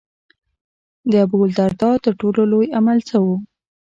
د ابوالدرداء تر ټولو لوی عمل څه و.